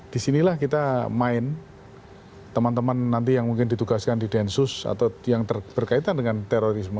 disinilah kita main teman teman nanti yang mungkin ditugaskan di densus atau yang berkaitan dengan terorisme